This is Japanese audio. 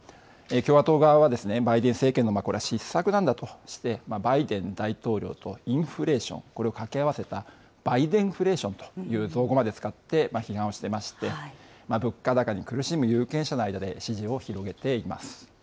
共和党側は、バイデン政権の失策なんだとして、バイデン大統領とインフレーション、これを掛け合わせた、バイデンフレーションという造語まで使って批判をしていまして、物価高に苦しむ有権者の間で支持を広げています。